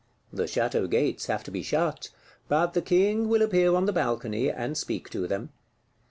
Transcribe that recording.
The Château gates have to be shut; but the King will appear on the balcony, and speak to them.